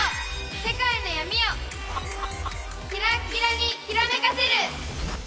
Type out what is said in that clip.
世界の闇をキラッキラにキラめかせる！